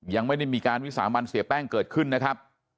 ยังไม่ได้มีการวิสามันเสียแป้งเกิดขึ้นนะครับ